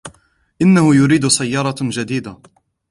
انه يريد سيارة جديدة.